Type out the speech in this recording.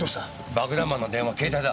爆弾魔の電話携帯だ。